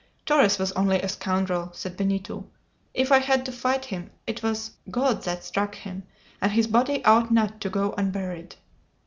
"Torres was only a scoundrel," said Benito. "If I had to fight him, it was God that struck him, and his body ought not to go unburied!"